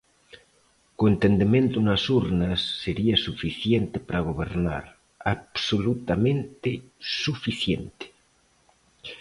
Co entendemento nas urnas sería suficiente para gobernar, absolutamente suficiente.